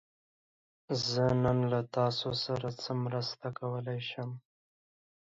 زه نن له تاسو سره څه مرسته کولی شم؟